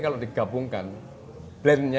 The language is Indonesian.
kalau digabungkan blendnya